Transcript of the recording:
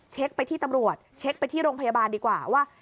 ไปที่ตำรวจเช็คไปที่โรงพยาบาลดีกว่าว่า